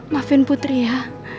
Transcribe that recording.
maafin putri ya